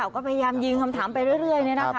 ก็พยายามยิงคำถามไปเรื่อย